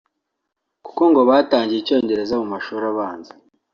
kuko ngo batangiye icyongereza mu mashuri abanza